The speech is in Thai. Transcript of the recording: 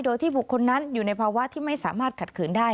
โดยที่บุคคลนั้นอยู่ในภาวะที่ไม่สามารถขัดขืนได้